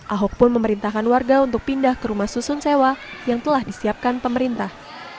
ahok pun memerintahkan warga untuk pindah ke rumah susun sewa yang telah disiapkan pemerintah